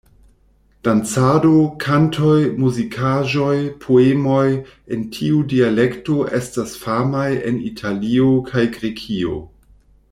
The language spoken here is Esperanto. Dancado, kantoj, muzikaĵoj, poemoj en tiu dialekto estas famaj en Italio kaj Grekio.